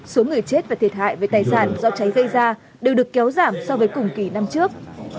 số người chết và thiệt hại về tài sản do cháy gây ra đều được kéo giảm so với cùng kỳ năm trước